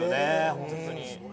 本当に。